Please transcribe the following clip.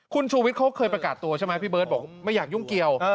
คุณชูวิทย์เขาเคยประกาศตัวใช่ไหมพี่เบิร์ตบอกไม่อยากยุ่งเกี่ยว